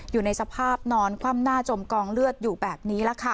อยู่ในสภาพนอนคว่ำหน้าจมกองเลือดอยู่แบบนี้แหละค่ะ